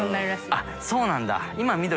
あっそうなんだ。